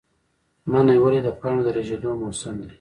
منی ولې د پاڼو ریژیدو موسم دی؟